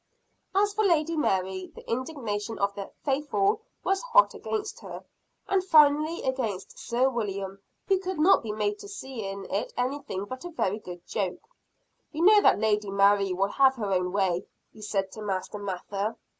As for Lady Mary, the indignation of "the faithful" was hot against her and finally against Sir William, who could not be made to see in it anything but a very good joke. "You know that Lady Mary will have her own way," he said to Master Mather.